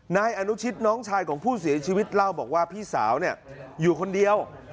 นายอนุชิตน้องชายของผู้เสียชีวิตเล่าบอกว่าพี่สาวอยู่คนเดียว